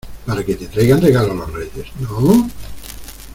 para que te traigan regalos los Reyes, ¿ no?